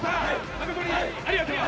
・誠にありがとう。